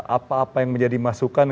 apa apa yang menjadi masukan